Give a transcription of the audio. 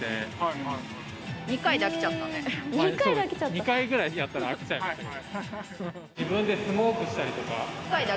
２回くらいやったら飽きちゃいましたけど。